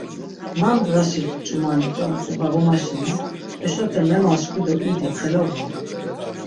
Nam dğaşi ç̌umanit̆u atzi va gomaşinen, eşote memaşkvi do idi xeloba.